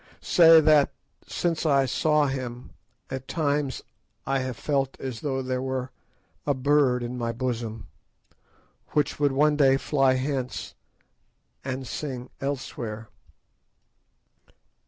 "Say that, since I saw him, at times I have felt as though there were a bird in my bosom, which would one day fly hence and sing elsewhere.